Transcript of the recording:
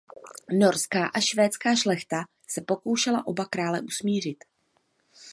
Norská a švédská šlechta se pokoušela oba krále usmířit.